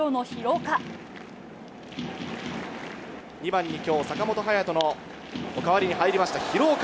２番にきょう、坂本勇人の代わりに入りました、廣岡。